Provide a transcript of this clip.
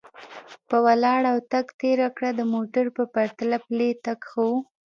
په ولاړه او تګ تېره کړه، د موټر په پرتله پلی تګ ښه و.